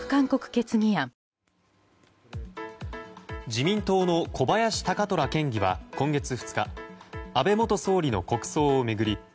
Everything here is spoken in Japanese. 自民党の小林貴虎県議は今月２日安倍元総理の国葬を巡り